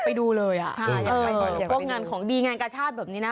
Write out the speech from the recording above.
ไปดูเลยอ่ะพวกงานของดีงานกาชาติแบบนี้นะ